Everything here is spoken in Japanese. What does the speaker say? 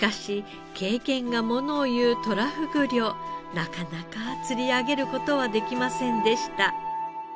なかなか釣り上げる事はできませんでした。